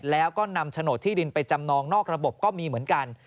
แล้วก็นำโฉนดที่ดินไปจำนองนอกระบบก็มีเหมือนกัน